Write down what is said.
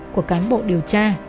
của cán bộ điều tra